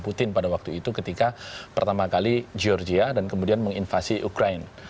putin pada waktu itu ketika pertama kali georgia dan kemudian menginvasi ukraine